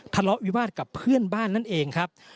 ทะเลาะวิวาสกับเพื่อนบ้านนั่นเองครับ